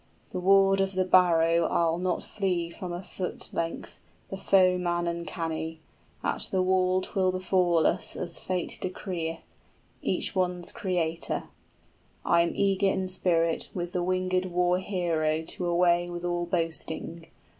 The ward of the barrow I'll not flee from a foot length, the foeman uncanny. At the wall 'twill befall us as Fate decreeth, {Let Fate decide between us.} 65 Each one's Creator. I am eager in spirit, With the wingèd war hero to away with all boasting.